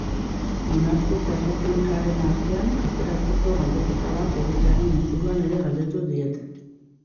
Monarkia eta errepublikaren artean aukeratzeko galdeketa bat egitearen inguruan ere galdetu diete.